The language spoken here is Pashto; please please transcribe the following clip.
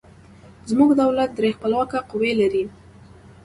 زموږ دولت درې خپلواکه قوې لري.